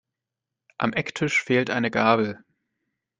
Am Ecktisch fehlt eine Gabel.